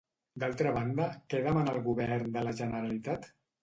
D'altra banda, què demana el govern de la Generalitat?